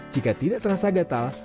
jika tidak terasa gatal